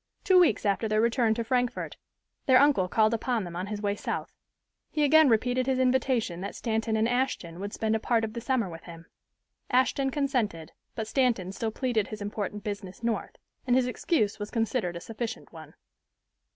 Two weeks after their return to Frankfort their uncle called upon them on his way South. He again repeated his invitation that Stanton and Ashton would spend a part of the summer with him. Ashton consented, but Stanton still pleaded his important business North, and his excuse was considered a sufficient one.